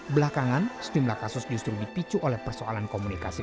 belakangan sedemikian kasus justru dipicu oleh persoalan komunikasi percaya